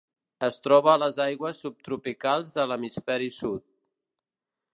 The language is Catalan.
Es troba a les aigües subtropicals de l'hemisferi sud.